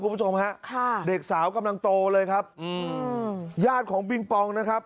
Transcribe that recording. คุณผู้ชมฮะค่ะเด็กสาวกำลังโตเลยครับอืมญาติของปิงปองนะครับ